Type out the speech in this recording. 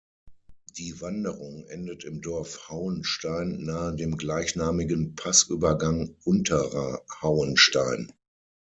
Die Wanderung endet im Dorf Hauenstein nahe dem gleichnamigen Passübergang Unterer Hauenstein.